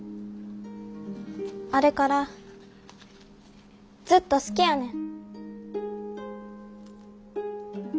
あれからずっと好きやねん。